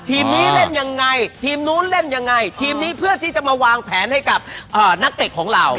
ทีมนี้เล่นยังไงทีมนู้นเล่นยังไงทีมนี้เพื่อที่จะมาวางแผนให้กับนักเตะของเรา